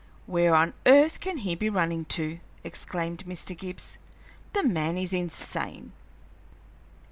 "Where on earth can he be running to?" exclaimed Mr. Gibbs. "The man is insane!"